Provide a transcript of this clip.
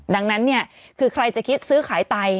ดังนั้นเนี่ยคือใครจะคิดซื้อขายไต